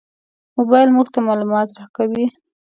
موبایل موږ ته معلومات راکوي.